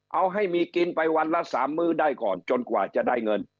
เอาให้มีกินไปวันละ๓มื้อได้ก่อนจนกว่าจะได้เงิน